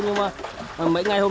và liệu có lan rộng hay không